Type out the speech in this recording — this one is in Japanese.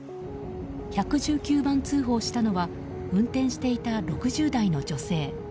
１１９番通報したのは運転していた６０代の女性。